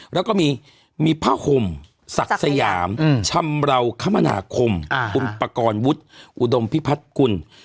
แล้วก็มีผ้าห่มศักดิ์สยามชำราวคมนาคมคุณประกอบวุฒิอุดมพิพัฒน์กุล